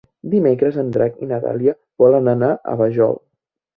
Dimecres en Drac i na Dàlia volen anar a la Vajol.